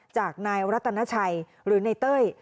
จากนายรัตนาชัยหรือในเต้ย